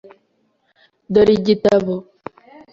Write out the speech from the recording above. Dore igitabo .